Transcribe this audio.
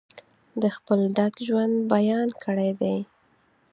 د خپل ډک ژوند بیان کړی دی.